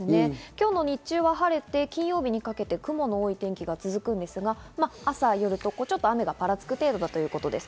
今日の日中は晴れて、金曜日にかけて雲の多い天気が続くんですが、朝・夜と雨がぱらつく程度だということです。